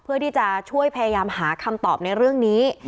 เพื่อที่จะช่วยพยายามหาคำตอบในเรื่องนี้